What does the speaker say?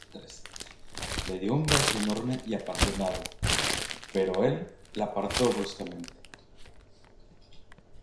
Le dio un beso enorme y apasionado... Pero él la apartó bruscamente.